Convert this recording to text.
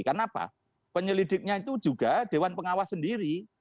kenapa penyelidiknya itu juga dewan pengawas sendiri